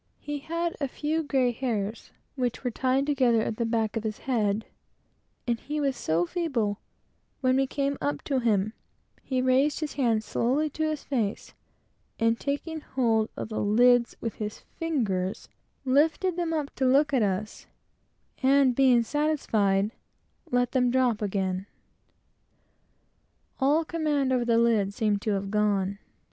He had a few grey hairs, which were tied together at the back of his head; and he was so feeble that, when we came up to him, he raised his hands slowly to his face, and taking hold of his lids with his fingers, lifted them up to look at us; and being satisfied, let them drop again. All command over the lid seemed to have gone.